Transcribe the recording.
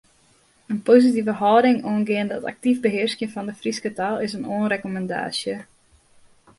In positive hâlding oangeande it aktyf behearskjen fan de Fryske taal is in oanrekommandaasje.